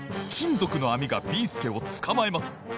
ぞくのあみがビーすけをつかまえます。